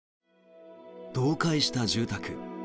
倒壊した住宅。